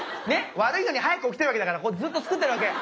悪いのに早く起きてるわけだからこうずっと作ってるわけ。